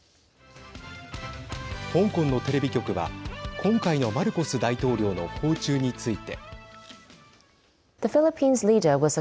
香港のテレビ局は今回のマルコス大統領の訪中について。